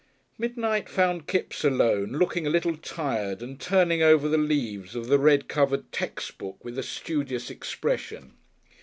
Midnight found Kipps alone, looking a little tired and turning over the leaves of the red covered textbook with a studious expression.